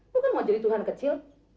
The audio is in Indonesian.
bukan mau jadi tuhan kecil